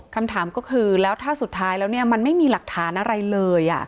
คำถามก็คือแล้วถ้าสุดท้ายแล้วมันไม่มีหลักฐานอะไรเลย